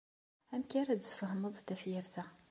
Amek ara d-tesfehmeḍ tafyirt-a?